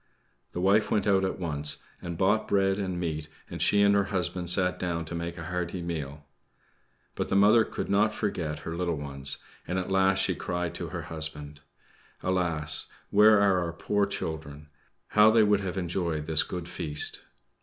The wife went out at once and bought bread and meat, and she and her husband sat down to make a hearty meal. But the mother could not forget her little ones; and at last she cried to her husband: "Alas! where are our poor children? How they would have enjoyed this good feast!"